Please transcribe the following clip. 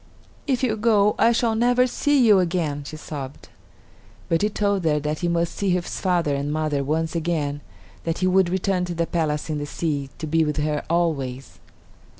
"If you go, I shall never see you again," she sobbed. But he told her that he must see his father and mother once again; then he would return to the palace in the sea, to be with her always.